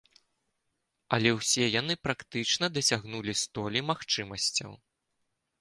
Але ўсе яны практычна дасягнулі столі магчымасцяў.